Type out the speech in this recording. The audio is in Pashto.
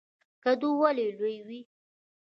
کدو ولې لوی وي؟